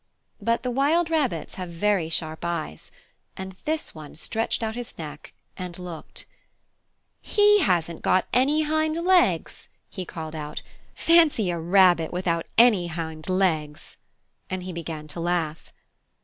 But the wild rabbits have very sharp eyes. And this one stretched out his neck and looked. "He hasn't got any hind legs!" he called out. "Fancy a rabbit without any hind legs!" And he began to laugh.